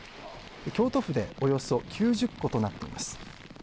京都府でおよそ９０戸となっています。